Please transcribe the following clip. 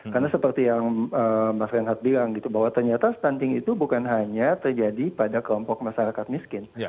karena seperti yang mas renat bilang gitu bahwa ternyata stunting itu bukan hanya terjadi pada kelompok masyarakat miskin